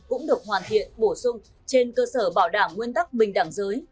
cũng được hoàn thiện bổ sung trên cơ sở bảo đảm nguyên tắc bình đẳng giới